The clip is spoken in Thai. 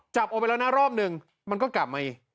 จับออกไปแล้วนะรอบหนึ่งมันก็กลับมาอีก